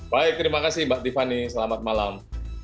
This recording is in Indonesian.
baik terima kasih mbak tiffany selamat malam